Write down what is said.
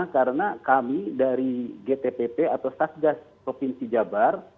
karena kami dari gtpt atau stas gas provinsi jabar